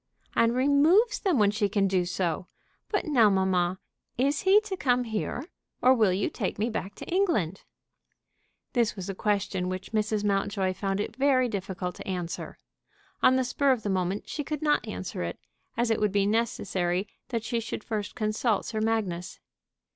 "And removes them when she can do so. But now, mamma, is he to come here, or will you take me back to England?" This was a question which Mrs. Mountjoy found it very difficult to answer. On the spur of the moment she could not answer it, as it would be necessary that she should first consult Sir Magnus.